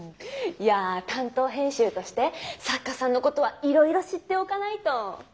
いや担当編集として作家さんのことはいろいろ知っておかないと。